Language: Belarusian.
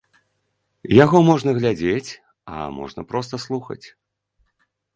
Яго можна глядзець, а можна проста слухаць.